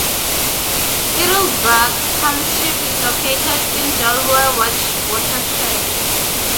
Heidelberg Township is located in the Delaware watershed.